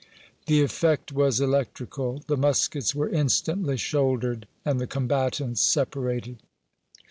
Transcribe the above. The effect was electrical. The muskets were instantly shouldered and the combatants separated.